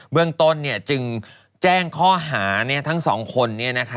เมืองต้นจึงแจ้งข้อหาทั้ง๒คน